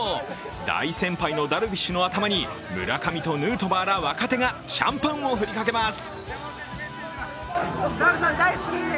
大先輩のダルビッシュの頭に、村上とヌートバーら若手がシャンパンを振りかけます。